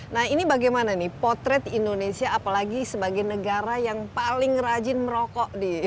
nah ini bagaimana nih potret indonesia apalagi sebagai negara yang paling rajin merokok